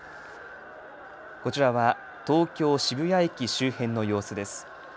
こちらは東京・渋谷駅周辺の様子です。